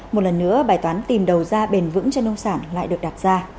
một lần nữa bài toán tìm đầu ra bền vững cho nông sản lại được đặt ra